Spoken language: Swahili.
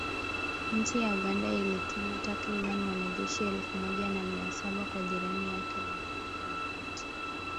Nchi ya Uganda ilituma takribani wanajeshi elfu moja na mia saba kwa jirani yake wa Afrika ya kati